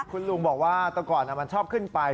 คุณลุงบอกว่าแต่ก่อนมันชอบขึ้นไป